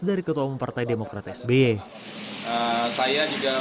dari ketua umum partai demokrat sby